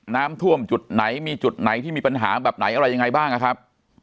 น้ำท่วมจุดไหนมีจุดไหนที่มีปัญหาแบบไหนอะไรยังไงบ้างนะครับ